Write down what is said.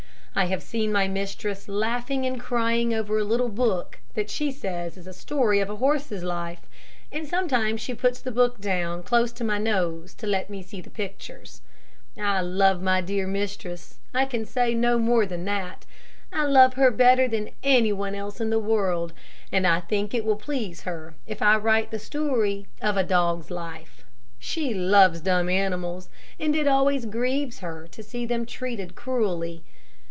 I have seen my mistress laughing and crying over a little book that she says is a story of a horse's life, and sometimes she puts the book down close to my nose to let me see the pictures. I love my dear mistress; I can say no more than that; I love her better than any one else in the world; and I think it will please her if I write the story of a dog's life. She loves dumb animals, and it always grieves her to see them treated cruelly.